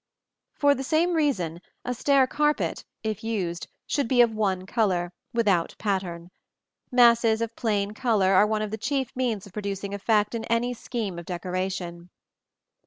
For the same reason, a stair carpet, if used, should be of one color, without pattern. Masses of plain color are one of the chief means of producing effect in any scheme of decoration.